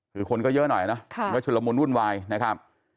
คือคนก็เยอะหน่อยนะก็ชุดละมุนวุ่นวายนะครับ